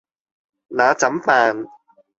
那怎辦